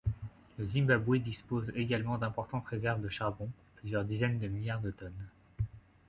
Le Zimbabwe dispose également d'importantes réserves de charbon, plusieurs dizaines de milliards de tonnes.